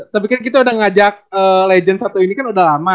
tapi kan kita udah ngajak legend satu ini kan udah lama